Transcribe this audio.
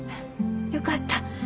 よかった。